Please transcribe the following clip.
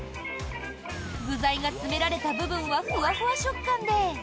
具材が詰められた部分はフワフワ食感で。